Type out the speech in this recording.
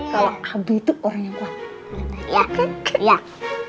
kalau abie itu orang yang kuat